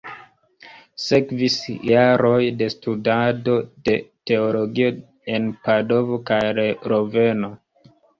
Sekvis la jaroj de studado de teologio en Padovo kaj Loveno.